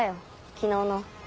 昨日の。